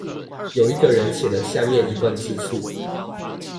有一個人寫了下面一段自述